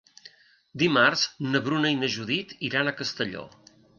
Dimarts na Bruna i na Judit iran a Castelló.